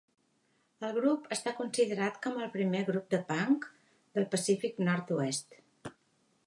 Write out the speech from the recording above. El grup està considerat com el primer grup de punk del Pacífic nord-oest.